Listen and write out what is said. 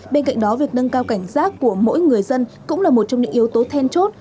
bên cạnh đó việc nâng cao cảnh giác của mỗi người dân cũng là một trong những yếu tố then chốt